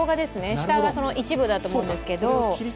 下が一部だと思うんですけど。